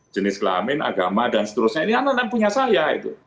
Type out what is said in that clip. jenis kelamin agama dan seterusnya ini anak anak punya saya